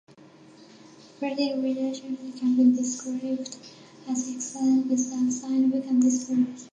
Bilateral relations can be described as excellent without significant disputes.